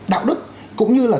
đạo đức cũng như là